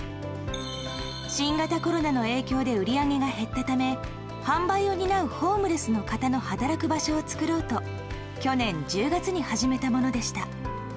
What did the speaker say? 新型コロナの影響で売り上げが減ったため販売を担うホームレスの方の働く場所を作ろうと去年１０月に始めたものでした。